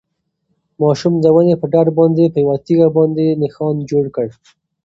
ماشوم د ونې په ډډ باندې په یوه تیږه باندې نښان جوړ کړ.